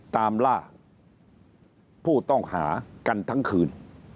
ตามล่าผู้ต้องหากันทั้งคืน